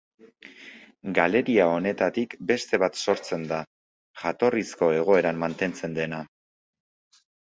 Galeria honetatik beste bat sortzen da, jatorrizko egoeran mantentzen dena.